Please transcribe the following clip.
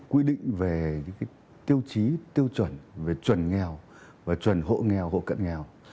quy định về những tiêu chí tiêu chuẩn về chuẩn nghèo và chuẩn hộ nghèo hộ cận nghèo